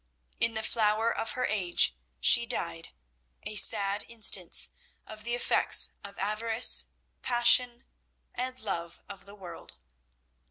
In the flower of her age she died, a sad instance of the effects of avarice, passion, and love of the world.